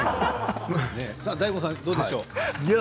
ＤＡＩＧＯさんどうでしょう。